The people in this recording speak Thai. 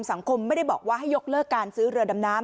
สังคมไม่ได้บอกว่าให้ยกเลิกการซื้อเรือดำน้ำ